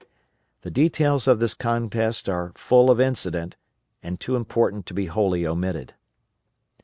The details of this contest are full of incident, and too important to be wholly omitted.